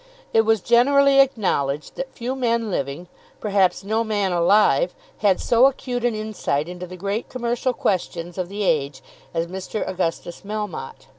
It was generally acknowledged that few men living, perhaps no man alive, had so acute an insight into the great commercial questions of the age as Mr. Augustus Melmotte.